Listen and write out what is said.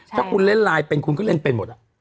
ถ้าคุณเล่นไลน์เป็นคุณก็เล่นเป็นหมด